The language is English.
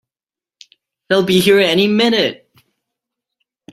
They'll be here any minute!